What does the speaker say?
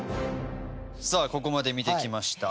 さあここまで見てきました。